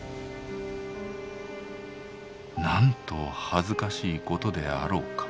「なんと恥ずかしいことであろうか。